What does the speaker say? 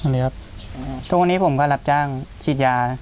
ทุกวันนี้ผมก็รับจ้างชีดยา